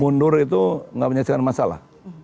mundur itu tidak menyelesaikan masalah